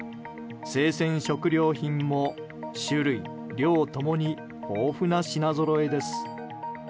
生鮮食料品も、種類、量共に豊富な品ぞろえです。